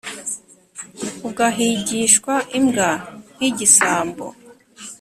ugahigishwa imbwa nk’igisambo